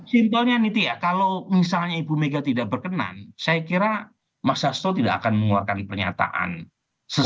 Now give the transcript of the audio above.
simpelnya nitia kalau misalnya ibu mega tidak berkenan saya kira mas hasto tidak akan mengeluarkan pernyataan sesuai